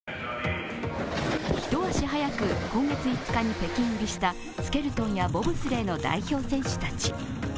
一足早く今月５日に北京入りした、スケルトンやボブスレーの代表選手たち。